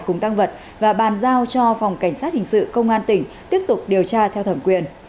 cùng tăng vật và bàn giao cho phòng cảnh sát hình sự công an tỉnh tiếp tục điều tra theo thẩm quyền